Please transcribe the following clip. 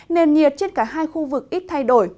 nền nhiệt trên cả hai khu vực ít thay đổi